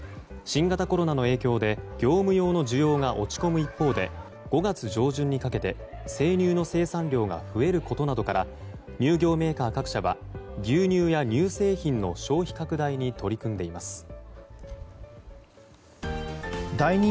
新型コロナの影響で業務用の需要が落ち込む一方で５月上旬にかけて生乳の生産量が増えることなどから乳業メーカー各社は牛乳や乳製品の消費拡大に取り組んでいます。